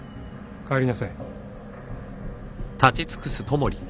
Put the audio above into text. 帰りなさい。